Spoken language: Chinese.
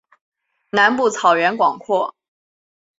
南部草原广阔。